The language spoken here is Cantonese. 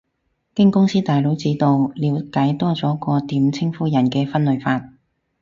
經公司大佬指導，了解多咗個點稱呼人嘅分類法